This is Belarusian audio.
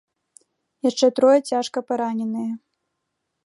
Яшчэ трое цяжка параненыя.